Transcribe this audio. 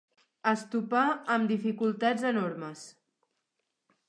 Es topà amb dificultats enormes.